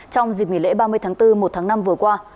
trong dịp nghỉ lễ ba mươi tháng bốn một tháng năm vừa qua